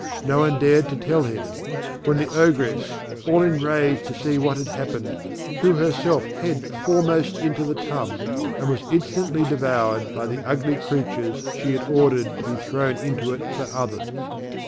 No one dared to tell him; when the Ogress, all inraged to see what had happened, threw herself head foremost into the tub, and was instantly devoured by the ugly creatures she had ordered to be thrown into it for others.